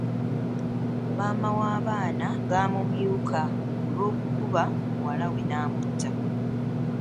Maama w’abaana gaamumyuka olw’okukuba muwala we n’amutta.